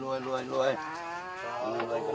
จากฝั่งภูมิธรรมฝั่งภูมิธรรม